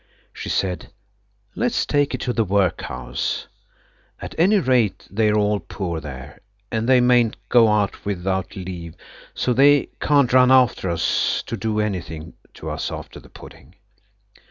She said, "Let's take it to the workhouse. At any rate they're all poor there, and they mayn't go out without leave, so they can't run after us to do anything to us after the pudding.